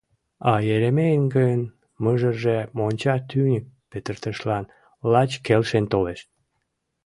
А Еремейын гын мыжерже монча тӱньык петыртышлан лач келшен толеш.